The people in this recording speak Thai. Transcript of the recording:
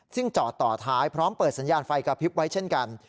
ซึ่งจอดต่อท้ายพร้อมเปิดสัญญาณไฟกระพริบไว้เช่นกัน